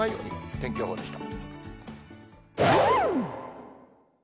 天気予報でした。